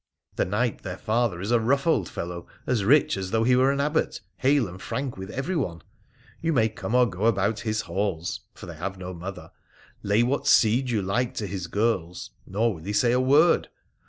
The knight, their father, is a rough old fellow, as rich as though he were an abbot, hale and frank with everyone. You may come or go about his halls, and (for they have no mother) lay what siege you like to his girls, nor will he say a word.